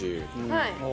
はい。